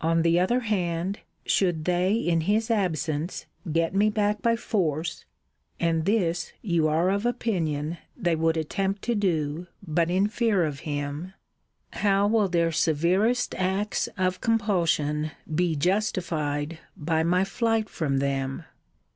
On the other hand, should they in his absence get me back by force, (and this, you are of opinion, they would attempt to do, but in fear of him,) how will their severest acts of compulsion be justified by my flight from them!